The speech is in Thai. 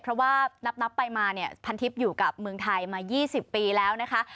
เพราะว่านับไปมาเนี่ยพันทิพย์อยู่กับเมืองไทยมา๒๐ปีแล้วนะคะ